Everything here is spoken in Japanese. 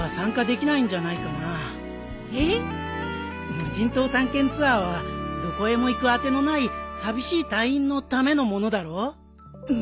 無人島探検ツアーはどこへも行く当てのない寂しい隊員のためのものだろう？